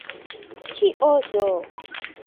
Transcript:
Kio do?